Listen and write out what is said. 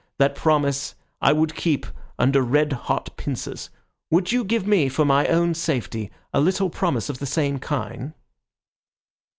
That promise I would keep under red hot pincers. Would you give me, for my own safety, a little promise of the same kind?"